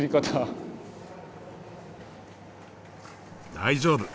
大丈夫！